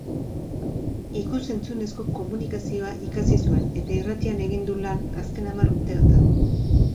Ikus-entzunezko komunikazioa ikasi zuen eta irratian egin du lan azken hamar urteotan.